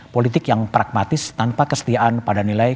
politik yang pragmatis tanpa kesetiaan pada nilai